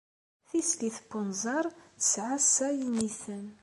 Tislit n wenẓar tesɛa sa yiniten.